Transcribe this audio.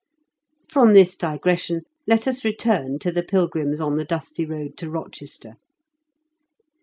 From this digression let us return to the pilgrims on the dusty road to Rochester.